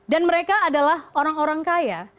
dan mereka adalah orang orang kaya